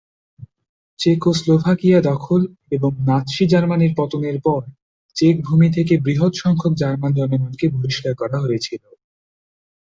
চেকোস্লোভাকিয়া দখল এবং নাৎসি জার্মানির পতনের পর চেক ভূমি থেকে বৃহৎ সংখ্যক জার্মান জনগণকে বহিষ্কার করা হয়েছিল।